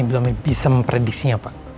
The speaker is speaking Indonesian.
bisa memprediksinya pak